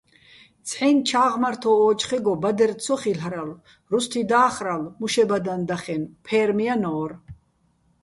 ცჰ̦აჲნი̆ ჩა́ღმართო́ ო́ჯხეგო ბადერ ცო ხილ'რალო̆, რუსთი და́ხრალო̆, მუშებადაჼ დახენო̆, ფე́რმ ჲანო́რ.